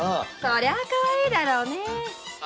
そりゃかわいいだろうネ。